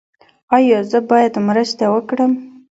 ایا زه باید مرسته وکړم؟